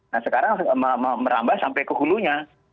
nah sekarang merambah sampai ke hulunya